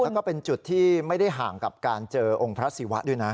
แล้วก็เป็นจุดที่ไม่ได้ห่างกับการเจอองค์พระศิวะด้วยนะ